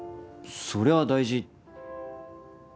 そりゃ大事。